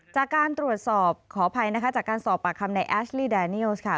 จากการตรวจสอบขออภัยนะคะจากการสอบปากคำในแอชลี่แดเนียลสค่ะ